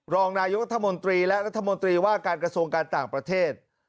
รองนายกรัฐมนตรีและรัฐมนตรีว่าการกระทรวงการต่างประเทศ